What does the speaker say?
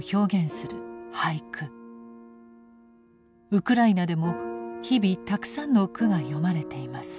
ウクライナでも日々たくさんの句が詠まれています。